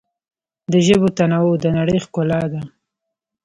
د ژبو تنوع د نړۍ ښکلا ده.